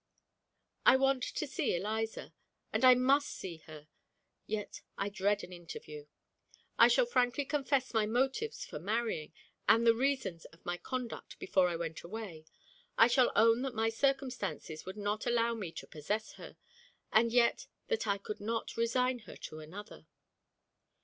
I want to see Eliza, and I must see her; yet I dread an interview. I shall frankly confess my motives for marrying, and the reasons of my conduct before I went away. I shall own that my circumstances would not allow me to possess her, and yet that I could not resign her to another.